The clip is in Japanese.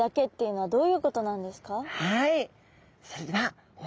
はい。